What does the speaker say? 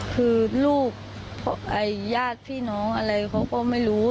คือลูกญาติพี่น้องอะไรเขาก็ไม่รู้